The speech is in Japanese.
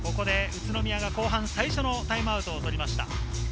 ここで宇都宮が後半最初のタイムアウトを取りました。